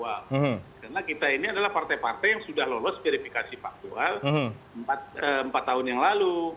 karena kita ini adalah partai partai yang sudah lolos verifikasi paktual empat tahun yang lalu